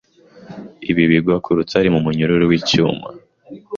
Ibi bigwa ku rutare Mu munyururu wicyuma